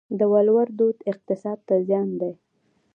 د ولور دود اقتصاد ته زیان دی؟